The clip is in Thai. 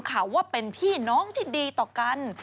ข่าวว่าเป็นพี่น้องที่ดีต่อกัน